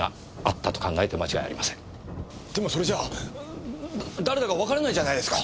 でもそれじゃ誰だかわからないじゃないですか。